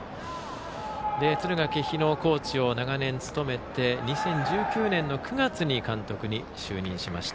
敦賀気比のコーチを長年務めて２０１９年の９月に監督に就任しました。